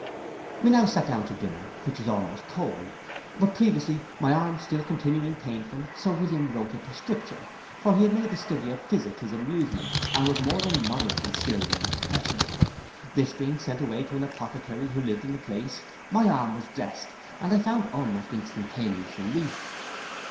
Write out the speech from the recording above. We now sate down to dinner, which was almost cold; but previously, my arm still continuing painful, Sir William wrote a prescription, for he had made the study of physic his amusement, and was more than moderately skilled in the profession: this being sent to an apothecary who lived in the place, my arm was dressed, and I found almost instantaneous relief.